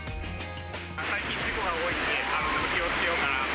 最近事故が多いので、ちょっと気をつけようかなと。